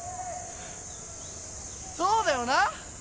そうだよな！